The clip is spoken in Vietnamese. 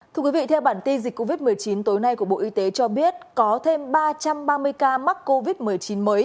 thưa quý vị theo bản tin dịch covid một mươi chín tối nay của bộ y tế cho biết có thêm ba trăm ba mươi ca mắc covid một mươi chín mới